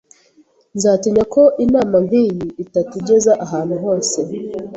Nzatinya ko inama nkiyi itatugeza ahantu hose.